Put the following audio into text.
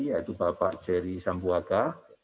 yaitu bapak jerry sambuwaga